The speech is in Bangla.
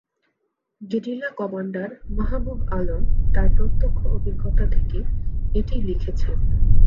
গেরিলা কমান্ডার মাহবুব আলম তার প্রত্যক্ষ অভিজ্ঞতা থেকে এটি লিখেছেন।